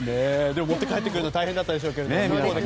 でも持って帰ってくるの大変だったでしょうけど。